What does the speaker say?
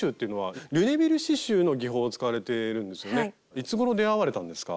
いつごろ出会われたんですか？